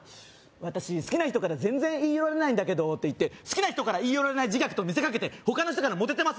私好きな人から全然言い寄られないんだけどっていって好きな人から言い寄られない自虐と見せかけて他の人からモテてます